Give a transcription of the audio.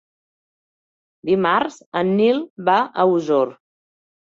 Dimarts en Nil va a Osor.